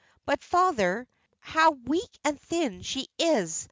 But, father, how weak and thin she is!